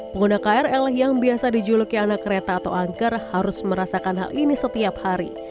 pengguna krl yang biasa dijuluki anak kereta atau angker harus merasakan hal ini setiap hari